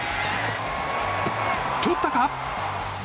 とったか？